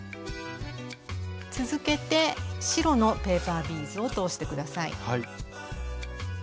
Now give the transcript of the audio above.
続けて白のペーパービーズを通して下さい。